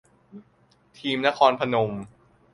ทีมนครพนม